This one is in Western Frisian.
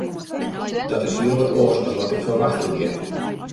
Dat is hiel wat oars as wat ik ferwachte hie.